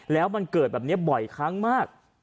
แล้วมันเกิดแบบนี้บ่อยครั้งมาก